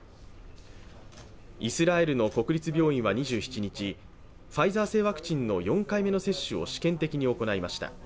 イスラエルの国立病院は２７日、ファイザー製ワクチンの４回目の接種を試験的に行いました。